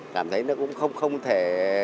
cảm thấy nó cũng không thể